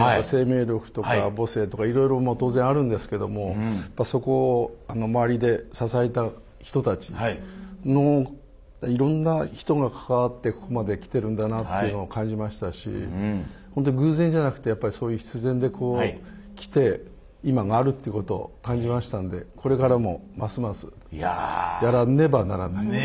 生命力とか母性とかいろいろ当然あるんですけどもそこを周りで支えた人たちのいろんな人が関わってここまで来てるんだなというのを感じましたし偶然じゃなくてそういう必然で来て今があるということを感じましたんでこれからもますますやらねばならない。